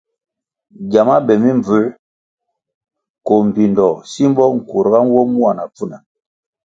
Giama be mimbvuer koh mbpindoh simbo nkurga nwo mua na pfuna.